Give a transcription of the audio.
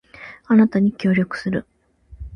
あなたに協力する